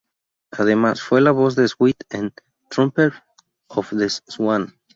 Además, fue la voz de Sweet, en "Trumpet of the Swan".